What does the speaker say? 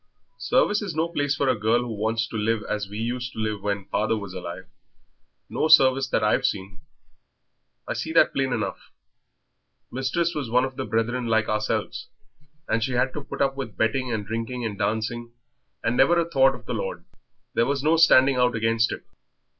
"Service is no place for a girl who wants to live as we used to live when father was alive no service that I've seen. I see that plain enough. Mistress was one of the Brethren like ourselves, and she had to put up with betting and drinking and dancing, and never a thought of the Lord. There was no standing out against it.